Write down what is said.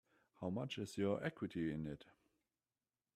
How much is your equity in it?